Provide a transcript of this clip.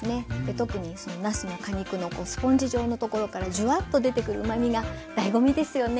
特になすの果肉のスポンジ状のところからジュワッと出てくるうまみが醍醐味ですよね。